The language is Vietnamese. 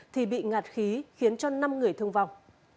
thì bị ngạt khí khiến cho năm người thương vong